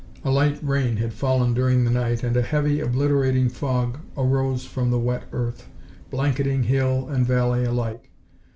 A light rain had fallen during the night and a heavy, obliterating fog arose from the wet earth, blanketing hill and valley alike.